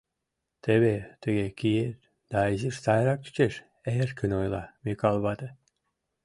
Теве тыге киет, да изиш сайрак чучеш, — эркын ойла Микал вате.